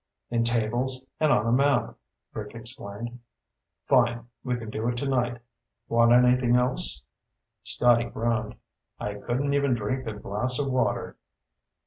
"In tables, and on a map," Rick explained. "Fine. We can do it tonight. Want anything else?" Scotty groaned. "I couldn't even drink a glass of water."